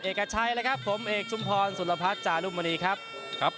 เอกชัยเลยครับผมเอกชุมพรสุรพัฒน์จารุมณีครับครับ